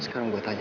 sekarang gue tanya